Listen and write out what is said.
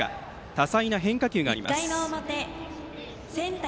多彩な変化球があります。